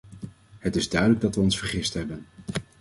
Het is duidelijk dat we ons vergist hebben.